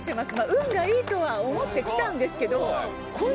運がいいとは思ってきたんですけど。